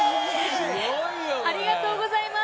ありがとうございます。